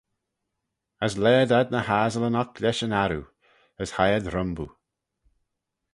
As laad ad ny assylyn oc lesh yn arroo, as hie ad rhymboo.